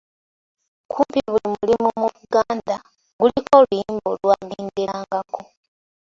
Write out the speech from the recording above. Kumpi buli mulimu mu Buganda guliko oluyimba olwagenderangako.